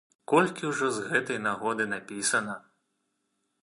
Колькі ўжо з гэтай нагоды напісана!